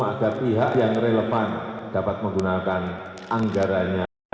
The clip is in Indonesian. agar pihak yang relevan dapat menggunakan anggarannya